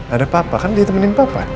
ada papa kan ditemenin papa